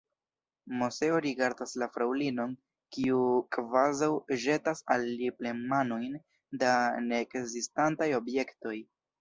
Moseo rigardas la fraŭlinon, kiu kvazaŭ ĵetas al li plenmanojn da neekzistantaj objektoj.